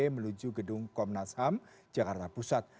menuju gedung komnas ham jakarta pusat